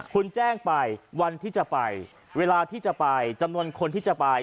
คุณแจ้งไปวันที่จะไปเวลาที่จะไปจำนวนคนที่จะไป